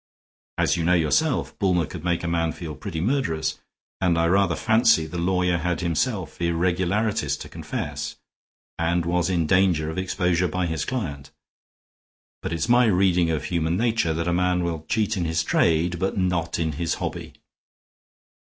As you know yourself, Bulmer could make a man feel pretty murderous, and I rather fancy the lawyer had himself irregularities to confess, and was in danger of exposure by his client. But it's my reading of human nature that a man will cheat in his trade, but not in his hobby.